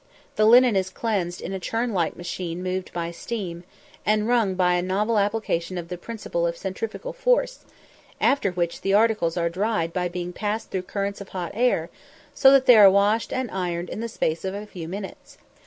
The linen is cleansed in a churn like machine moved by steam, and wrung by a novel application of the principle of centrifugal force; after which the articles are dried by being passed through currents of hot air, so that they are washed and ironed in the space of a few minutes.